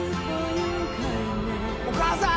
お母さん。